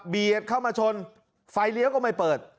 เข้ามาชนไฟเลี้ยวก็ไม่เปิด